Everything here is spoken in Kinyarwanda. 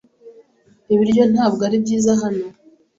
Ibiryo ntabwo ari byiza hano.